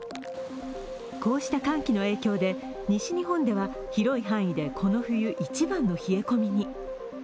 こうした寒気の影響で、西日本では広い範囲でこの冬一番の冷え込みに。